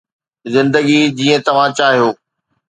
زندگي جيئن توهان چاهيو